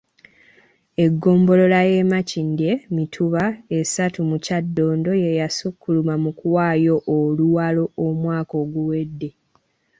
Eggombolola y’e Makindye Mituba esatu mu Kyaddondo y'eyasukkuluma mu kuwaayo oluwalo omwaka oguwedde.